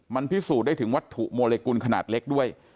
มันพิสูจน์ได้ถึงวัตถุโมเลกุลขนาดเล็กด้วย